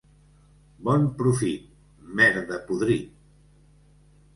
Bon profit! —Merda, podrit!